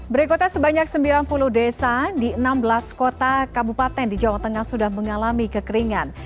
berikutnya sebanyak sembilan puluh desa di enam belas kota kabupaten di jawa tengah sudah mengalami kekeringan